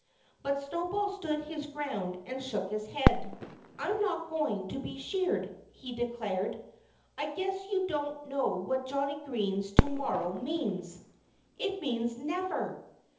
But Snowball stood his ground and shook his head. "I'm not going to be sheared," he declared. "I guess you don't know what Johnnie Green's 'to morrow' means. ... It means 'never!'"